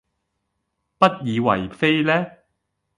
不以爲非呢？